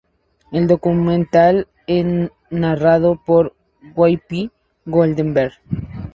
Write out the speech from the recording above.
El documental es narrado por Whoopi Goldberg.